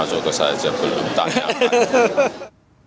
masuk ke saja belum tanya apa